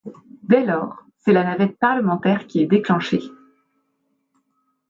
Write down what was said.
Dès lors, c'est la navette parlementaire qui est déclenchée.